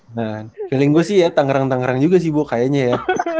nah feeling gue sih ya tangkrang tangkrang juga sih bu kayaknya ya